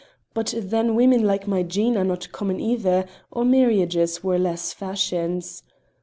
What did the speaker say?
But then women like my Jean are not common either or marriages were less fashions.